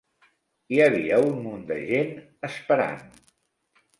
Hi havia un munt de gent esperant.